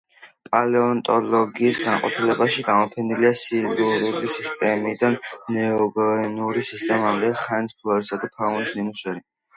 პალეონტოლოგიის განყოფილებაში გამოფენილია სილურული სისტემიდან ნეოგენურ სისტემამდე ხანის ფლორისა და ფაუნის ნიმუშები.